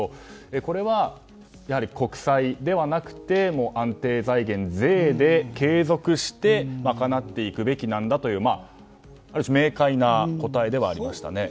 これは、やはり国債ではなくて安定財源、税で継続して賄っていくべきなんだというある種、明快な答えでありました。